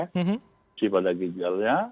diopsi pada ginjalnya